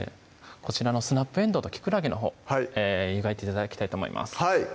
こちらのスナップえんどうときくらげのほう湯がいて頂きたいと思いますはい